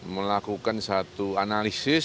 melakukan satu analisis